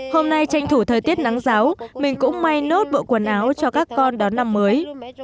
hôm nay tranh thủ thời tiết nắng giáo mình cũng may nốt bộ quần áo cho các con đón năm mới